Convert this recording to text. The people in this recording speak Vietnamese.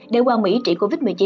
để qua mỹ trị covid một mươi chín